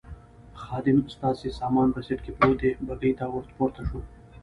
خادم: ستاسې سامان په سېټ کې پروت دی، بګۍ ته ور پورته شوو.